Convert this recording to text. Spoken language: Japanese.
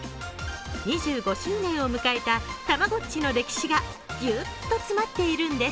２５周年を迎えた、たまごっちの歴史がぎゅっと詰まっているんです。